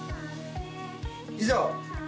以上。